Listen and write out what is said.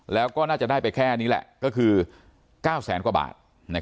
แล้วก็น่าจะได้ไปแค่นี้แหละก็คือ๙แสนกว่าบาท